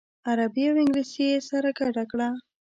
عربي او انګلیسي یې سره ګډه کړه.